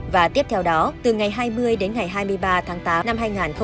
và tiếp theo đó từ ngày hai mươi đến ngày hai mươi ba tháng tám năm hai nghìn hai mươi